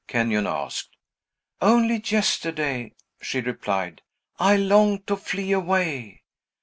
Kenyon asked. "Only yesterday," she replied, "I longed to flee away.